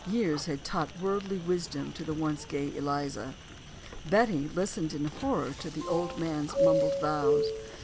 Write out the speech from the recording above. Years had taught worldly wisdom to the once gay Eliza. Betty listened in horror to the old man's mumbled vows.